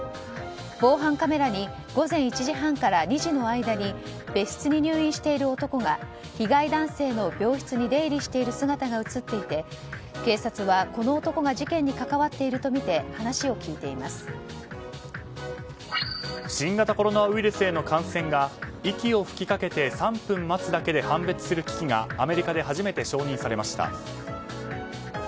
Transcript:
防犯カメラに午前１時半から２時の間に別室に入院している男が被害男性の病室に出入りしている姿が映っていて警察は、この男が事件に関わっているとみて新型コロナウイルスへの感染が息を吹きかけて３分待つだけで判別する機器がアメリカで初めて承認されました。